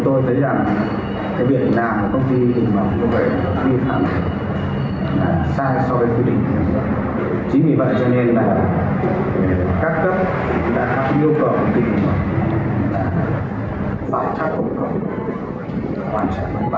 phải thay đổi gọi trả mặt bằng